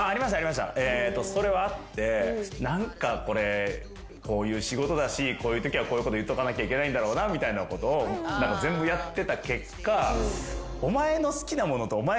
それはあってこれこういう仕事だしこういうときはこういうこと言っとかなきゃいけないんだろうなみたいなことを全部やってた結果。